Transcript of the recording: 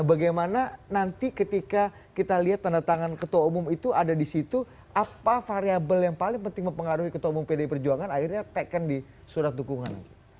bagaimana nanti ketika kita lihat tanda tangan ketua umum itu ada di situ apa variable yang paling penting mempengaruhi ketua umum pdi perjuangan akhirnya teken di surat dukungan